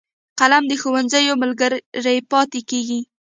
قلم د ښوونځي ملګری پاتې کېږي